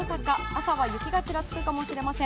朝は雪がちらつくかもしれません。